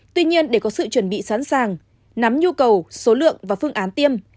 tuy nhiên để có sự chuẩn bị sẵn sàng nắm nhu cầu số lượng và phương án tiêm